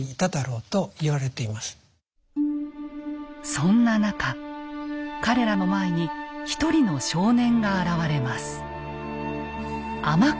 そんな中彼らの前に一人の少年が現れます。